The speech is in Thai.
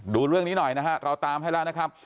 ดูเรื่องนี้หน่อยนะฮะเราตามให้แล้วนะครับ